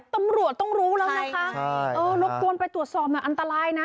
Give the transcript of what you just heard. ตำรวจต้องรู้แล้วนะคะเออรบกวนไปตรวจสอบหน่อยอันตรายนะ